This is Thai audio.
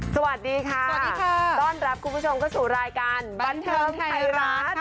สวัสดีค่ะสวัสดีค่ะต้อนรับคุณผู้ชมเข้าสู่รายการบันเทิงไทยรัฐ